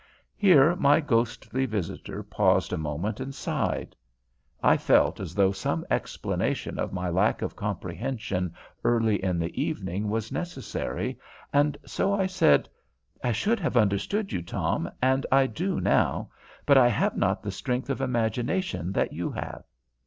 Here my ghostly visitor paused a moment and sighed. I felt as though some explanation of my lack of comprehension early in the evening was necessary, and so I said: "I should have understood you, Tom, and I do now, but I have not the strength of imagination that you have."